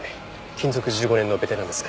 勤続１５年のベテランです。